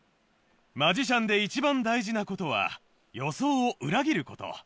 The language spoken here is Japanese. マジシャンで一番大事なことは予想を裏切ること。